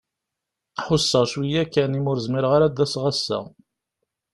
Ḥuseɣ cwiya kan i mi ur zmireɣ ara ad d-aseɣ ass-a.